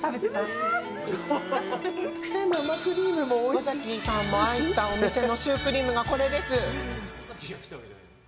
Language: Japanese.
尾崎さんも愛したお店のシュークリームがこれでーす！